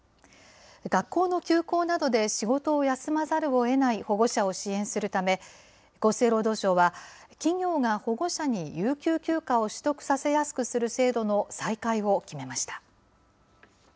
学校の休校などで仕事を休まざるをえない保護者を支援するため、厚生労働省は、企業が保護者に有給休暇を取得させやすくする制度の再開を決めました。